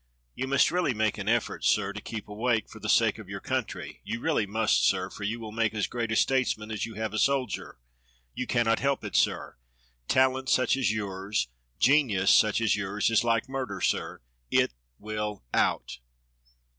"You must really make an effort, sir, to keep awake, for the sake of your country, you really must, sir, for you will make as great a statesman as you have a soldier. You cannot help it, sir. Talent such as yours, genius such as yours, is like murder, sir — it will out."